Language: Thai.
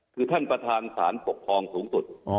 คือท่านประธานสารปกครองสูงสุด